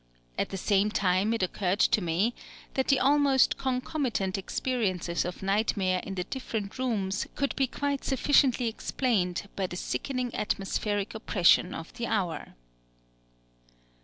At the same time it occurred to me that the almost concomitant experiences of nightmare in the different rooms could be quite sufficiently explained by the sickening atmospheric oppression of the hour.